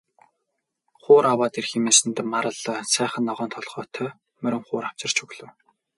Хуур аваад ир хэмээсэнд Марал сайхан ногоон толгойтой морин хуур авчирч өглөө.